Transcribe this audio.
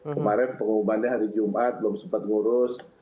kemarin pengumumannya hari jumat belum sempat ngurus